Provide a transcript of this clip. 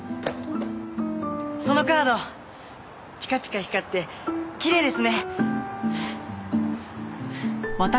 そのカードピカピカ光ってきれいですね。